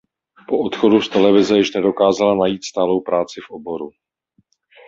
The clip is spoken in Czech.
Po odchodu z televize již nedokázala najít stálou práci v oboru.